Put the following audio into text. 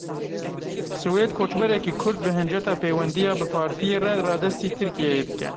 Swêd koçberekî Kurd bi hinceta pêwendiya bi Partiyê re radestî Tirkiyeyê dike.